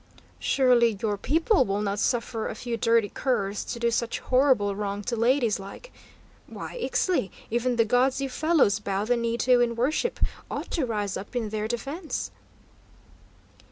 "Surely your people will not suffer a few dirty curs to do such horrible wrong to ladies like Why, Ixtli, even the gods you fellows bow the knee to in worship, ought to rise up in their defence!"